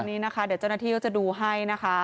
อันนี้นะคะเดี๋ยวเจ้าหน้าที่ก็จะดูให้นะคะ